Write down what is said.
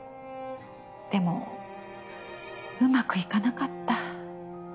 でもうまくいかなかった。